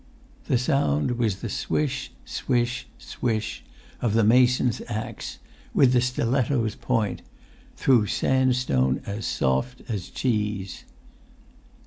The sound was the swish, swish, swish of the mason's axe, with the stiletto's point, through sandstone as soft as cheese.